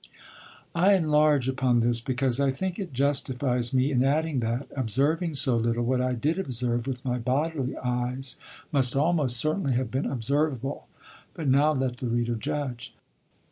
] I enlarge upon this because I think it justifies me in adding that, observing so little, what I did observe with my bodily eyes must almost certainly have been observable. But now let the reader judge.